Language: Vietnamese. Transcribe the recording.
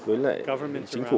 với lại chính phủ